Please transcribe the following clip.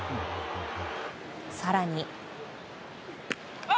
更に。